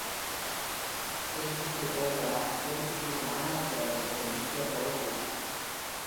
கெஞ்சுகி opera, கெஞ்சுகியின் நாடகத்துறையின் ஒரு முக்கியப் பகுதியாகும்.